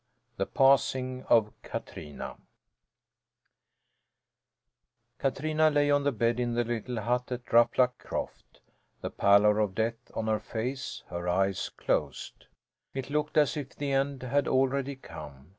THE PASSING OF KATRINA Katrina lay on the bed in the little hut at Ruffluck Croft, the pallor of death on her face, her eyes closed. It looked as if the end had already come.